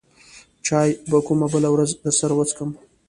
چاى به کومه بله ورځ درسره وڅکم.